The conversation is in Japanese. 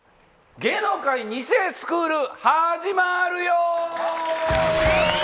『芸能界２世スクール』始まるよ。